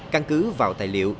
căn cứ vào tài liệu